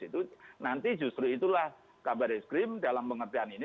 itu nanti justru itulah kabar eskrim dalam pengertian ini